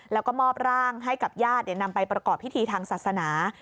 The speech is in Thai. แล้วก็มอบร่างให้กับญาตินำไปประกอบพิธีทางศาสนา